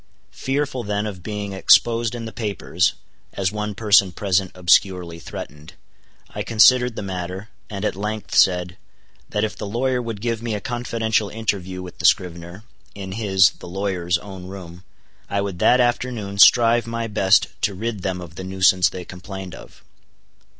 Fearful then of being exposed in the papers (as one person present obscurely threatened) I considered the matter, and at length said, that if the lawyer would give me a confidential interview with the scrivener, in his (the lawyer's) own room, I would that afternoon strive my best to rid them of the nuisance they complained of.